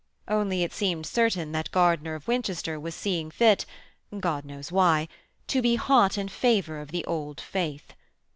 Only it seemed certain that Gardiner of Winchester was seeing fit God knows why to be hot in favour of the Old Faith.